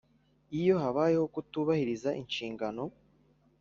iyo habayeho kutubahiriza inshingano